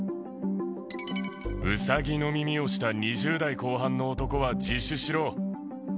ウサギの耳をした２０代後半の男は自首しろ。